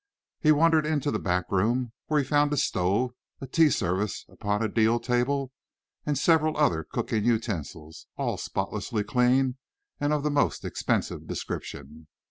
He wandered into the back room, where he found a stove, a tea service upon a deal table, and several other cooking utensils, all spotlessly clean and of the most expensive description.